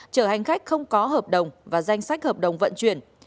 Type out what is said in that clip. chở hành khách không có hợp đồng và danh sách hợp đồng vận chuyển